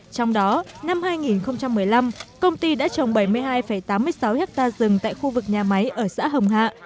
trong đó năm hai nghìn một mươi năm công ty đã trồng bảy mươi hai tám mươi sáu hectare rừng tại khu vực nhà máy ở xã hồng hạ